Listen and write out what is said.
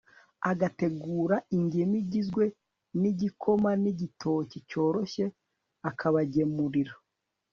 agateguraingemu igizwe n'igikoma n'igitoki cyoroshye, akabagemurira